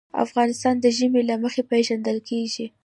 افغانستان د ژمی له مخې پېژندل کېږي.